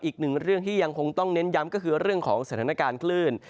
อีกหนึ่งเรื่องที่ยังคงต้องเน้นย้ำก็คือเรื่องของสถานการณ์คลื่น